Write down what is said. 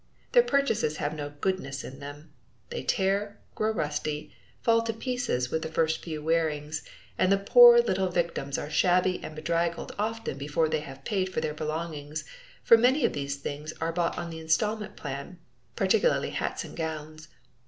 Their purchases have no goodness in them; they tear, grow rusty, fall to pieces with the first few wearings, and the poor little victims are shabby and bedraggled often before they have paid for their belongings, for many of these things are bought on the installment plan, particularly hats and gowns.